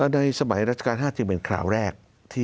ในสมัยราชการ๕จึงเป็นคราวแรก